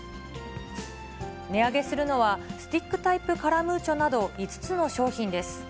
値上げするのは、スティックタイプカラムーチョなど、５つの商品です。